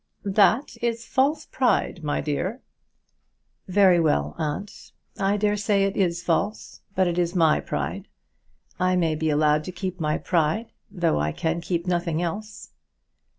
"That is false pride, my dear." "Very well, aunt. I daresay it is false; but it is my pride. I may be allowed to keep my pride, though I can keep nothing else."